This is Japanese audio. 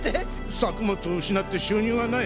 作物を失って収入がない。